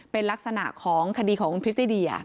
เป็นลักษณะของคดีของพิษฎีเดีย